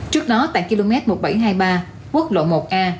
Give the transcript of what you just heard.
trước đó tại km một nghìn bảy trăm hai mươi ba quốc lộ một a